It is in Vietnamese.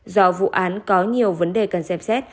do vụ án có nhiều vấn đề cần xem xét